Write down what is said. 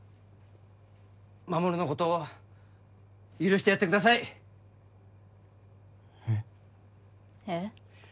マモルのこと許してやってくださいえっえっ？